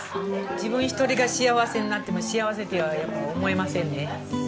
自分一人が幸せになっても幸せとはやっぱ思えませんね。